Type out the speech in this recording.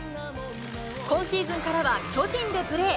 今シーズンからは巨人でプレー。